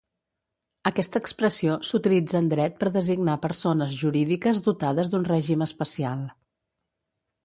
Aquesta expressió s'utilitza en dret per designar persones jurídiques dotades d'un règim especial.